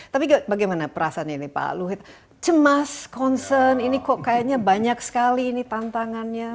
tapi bagaimana perasaan ini pak luhut cemas concern ini kok kayaknya banyak sekali ini tantangannya